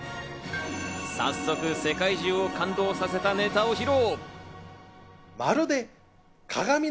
早速、世界中を感動させたネタを披露。